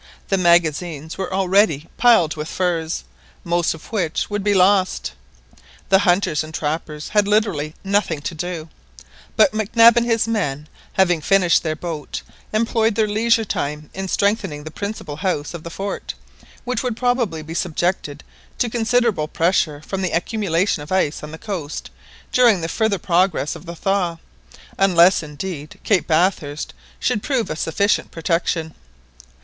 The magazines were already piled up with furs, most of which would be lost. The hunters and trappers had literally nothing to do; but Mac Nab and his men, having finished their boat, employed their leisure time in strengthening the principal house of the fort, which would probably be subjected to considerable pressure from the accumulation of ice on the coast during the further progress of the thaw, unless indeed Cape Bathurst should prove a sufficient protection.